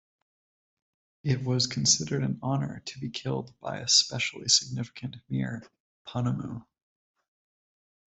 It was considered an honour to be killed by a specially significant mere pounamu.